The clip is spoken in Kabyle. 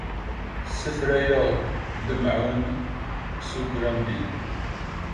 Ssefrayeɣ-d lemɛun s ugrambi.